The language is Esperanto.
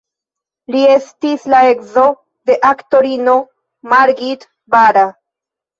Li estis la edzo de aktorino Margit Bara.